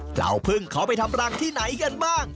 พึ่งเขาไปทำรังที่ไหนกันบ้าง